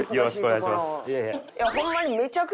いやホンマに。